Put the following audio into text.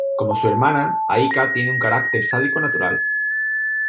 Como su hermana, Aika tiene un carácter sádico natural.